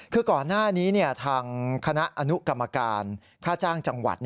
คือก่อนหน้านี้ทางคณะอนุกรรมการค่าจ้างจังหวัด